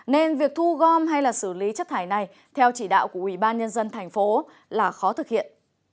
nên việc thu gom hay xử lý chất thải này theo chỉ đạo của ubnd thành phố là khó thực hiện